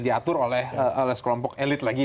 diatur oleh sekelompok elit lagi